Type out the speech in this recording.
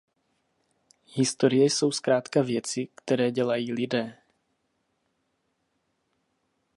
Historie jsou zkrátka věci, které dělají lidé.